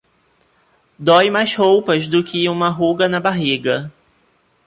Dói mais roupas do que uma ruga na barriga.